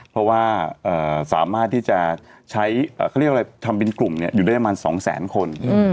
เพราะว่าสามารถที่จะใช้เขาเรียกอะไรทำเป็นกลุ่มอยู่ได้ประมาณ๒แสนคน